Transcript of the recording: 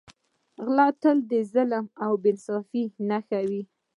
غل تل د ظلم او بې انصافۍ نښه وي